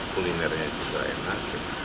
kulinernya juga enak